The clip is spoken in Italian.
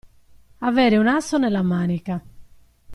Avere un asso nella manica.